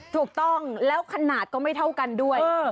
ถูกต้องแล้วขนาดก็ไม่เท่ากันด้วย